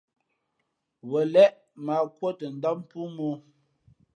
Wen lěʼ mα ǎ kūᾱ tα ndám póómᾱ ǒ.